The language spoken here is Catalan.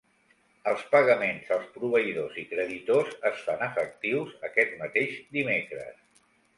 Els pagaments als proveïdors i creditors es fan efectius aquest mateix dimecres.